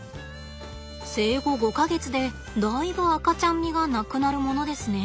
生後５か月でだいぶ赤ちゃん味がなくなるものですね。